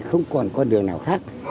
không còn con đường nào khác